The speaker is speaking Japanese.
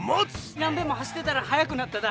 何べんも走ってたら速くなっただ。